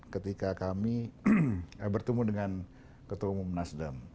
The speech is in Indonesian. ketika kami bertemu dengan ketua umum nasdem